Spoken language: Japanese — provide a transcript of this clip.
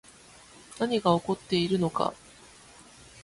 何が起こっているのか